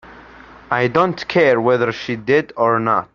I don't care whether she did or not.